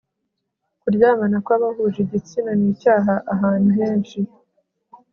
kuryamana kw abahuje igitsina ni icyaha ahantu henshi